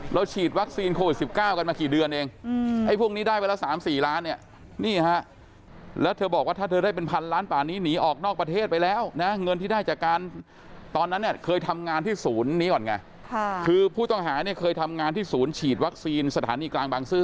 ฉีดวัคซีนโควิด๑๙กันมากี่เดือนเองไอ้พวกนี้ได้วันละ๓๔ล้านเนี่ยนี่ฮะแล้วเธอบอกว่าถ้าเธอได้เป็นพันล้านป่านี้หนีออกนอกประเทศไปแล้วนะเงินที่ได้จากการตอนนั้นเนี่ยเคยทำงานที่ศูนย์นี้ก่อนไงคือผู้ต้องหาเนี่ยเคยทำงานที่ศูนย์ฉีดวัคซีนสถานีกลางบางซื่อ